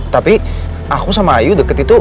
tapi aku sama ayu deket itu